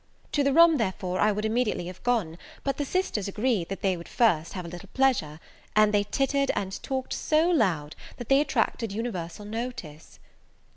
To the room, therefore, I would immediately have gone: but the sisters agreed that they would first have a little pleasure; and they tittered and talked so loud, that they attracted universal notice.